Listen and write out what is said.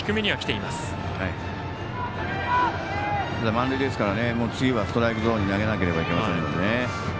満塁ですから次はストライクゾーンに投げなければいけませんからね。